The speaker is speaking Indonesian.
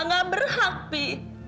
gak berhak pi